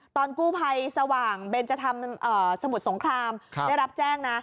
ตอนกู้ภัยสว่างเบนจธรรมสมุทรสงครามได้รับแจ้งนะ